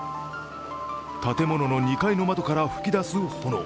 建物の２階の窓から噴き出す炎。